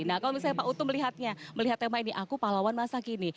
nah kalau misalnya pak utuh melihatnya melihat tema ini aku pahlawan masa kini